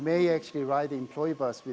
anda mungkin bisa menerbangkan bus pekerja